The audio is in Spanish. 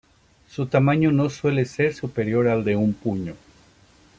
Su tamaño no suele ser superior al de un puño.